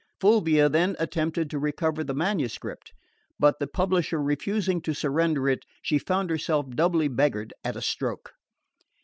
Fulvia then attempted to recover the manuscript; but the publisher refusing to surrender it, she found herself doubly beggared at a stroke.